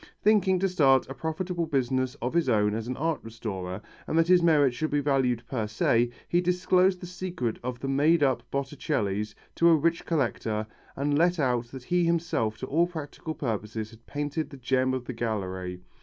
Thinking to start a profitable business of his own as an art restorer and that his merits would be valued per se, he disclosed the secret of the made up Botticellis to a rich collector and let out that he himself to all practical purposes had painted the gem of the gallery.